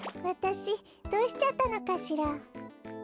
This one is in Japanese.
わたしどうしちゃったのかしら？